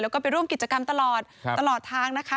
แล้วก็ไปร่วมกิจกรรมตลอดตลอดทางนะคะ